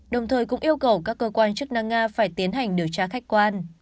đồng thời cũng yêu cầu các cơ quan chức năng nga phải tiến hành điều tra khách quan